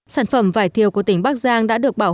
sản phẩm vải thiều của tỉnh bắc giang đã được bảo vệ